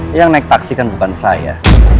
tapi yang naik taksi kan bukan saya